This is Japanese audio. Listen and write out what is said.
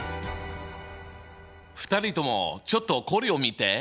２人ともちょっとこれを見て！